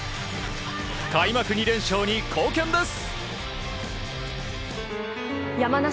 開幕２連勝に貢献です。